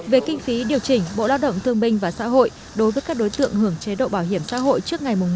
về kinh phí điều chỉnh bộ lao động thương minh và xã hội đối với các đối tượng hưởng chế độ bảo hiểm xã hội trước ngày một tháng một mươi năm hai nghìn hai mươi